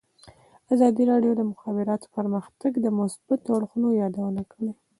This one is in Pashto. ازادي راډیو د د مخابراتو پرمختګ د مثبتو اړخونو یادونه کړې.